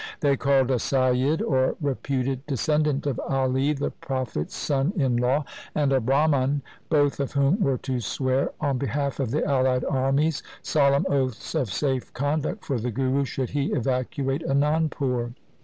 They called a Saiyid (or reputed descendant of Ali the Prophet's son in 184 THE SIKH RELIGION law), and a Brahman, both of whom were to swear, on behalf of the allied armies, solemn oaths of safe conduct for the Guru should he evacuate Anandpur.